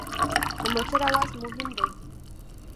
د موټر اواز مهم دی.